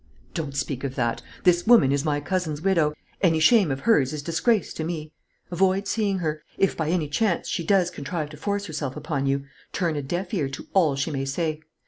"Don't speak of that. This woman is my cousin's widow: any shame of hers is disgrace to me. Avoid seeing her. If by any chance she does contrive to force herself upon you, turn a deaf ear to all she may say.